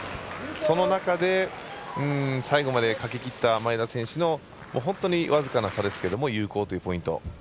その中で最後までかけきった前田選手の本当に僅かな差ですけれども有効というポイント。